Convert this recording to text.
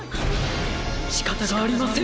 しかたがありません！